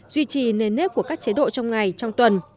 duy trì nền nếp của các chế độ trong ngày trong tuần